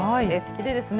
きれいですね